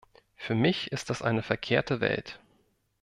Für mich ist das eine verkehrte Welt.